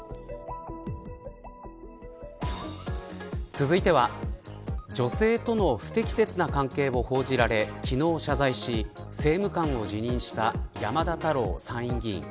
続いては女性との不適切な関係を報じられ昨日謝罪し、政務官を辞任した山田太郎参院議員。